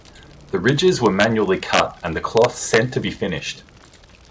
The ridges were manually cut, and the cloth sent to be finished.